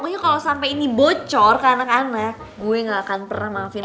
pokoknya kalau sampai ini bocor ke anak anak gue gak akan pernah maafin